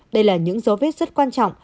đây là những dấu vết rất quan trọng